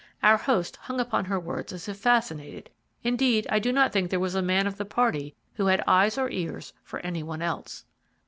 Our host hung upon her words as if fascinated; indeed, I do not think there was a man of the party who had eyes or ears for any one else.